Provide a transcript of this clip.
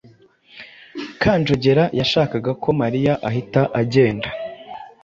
Kanjogera yashakaga ko Mariya ahita agenda.